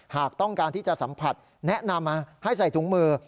หากต้องการที่จะสัมผัสแนะนำให้ใส่ถุงมือ